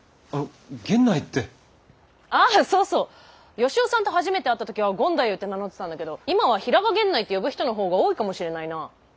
吉雄さんと初めて会った時は権太夫って名乗ってたんだけど今は平賀源内って呼ぶ人のほうが多いかもしれないなぁ。